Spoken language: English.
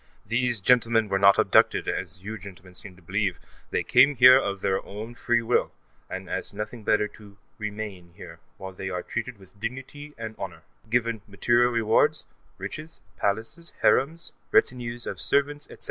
These gentlemen were not abducted, as you gentlemen seem to believe; they came here of their own free will, and ask nothing better than to remain here, where they are treated with dignity and honor, given material rewards riches, palaces, harems, retinues of servants, etc.